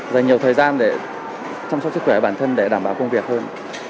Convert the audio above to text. dành nhiều thời gian để chăm sóc sức khỏe bản thân để đảm bảo công việc hơn